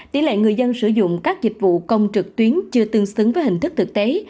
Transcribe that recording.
tỷ lệ người dân sử dụng các dịch vụ công trực tuyến chưa tương xứng với hình thức thực tế